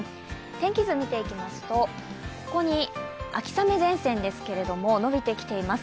天気図を見ていきますとここに秋雨前線ですけども、のびてきています。